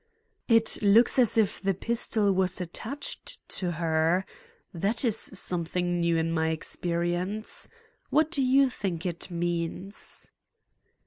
"It looks as if the pistol was attached to her. That is something new in my experience. What do you think it means?"